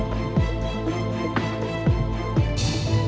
จำนวน